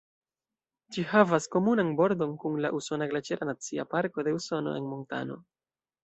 Ĝi havas komunan bordon kun la usona Glaĉera Nacia Parko de Usono en Montano.